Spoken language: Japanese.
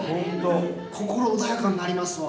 心穏やかになりますわ。